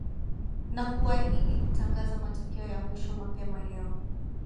na kuahindi kutangaza matokeo ya mwisho mapema leo